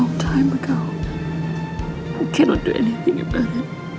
aku tak bisa lakukan apa apa terhadapnya